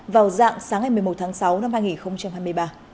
vào dạng sáng ngày một mươi một tháng sáu năm hai nghìn hai mươi ba